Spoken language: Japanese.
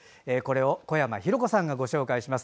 小山浩子さんがご紹介します。